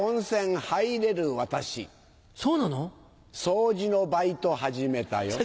掃除のバイト始めたよ。